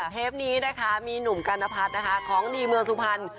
เทปนี้นะคะมีหนุ่มกัณพัฒน์นะคะของดีเมืองสุพรรณ